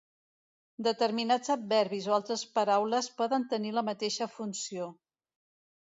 Determinats adverbis o altres paraules poden tenir la mateixa funció.